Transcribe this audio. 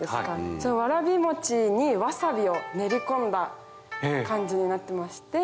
そのわらび餅にわさびを練り込んだ感じになってまして。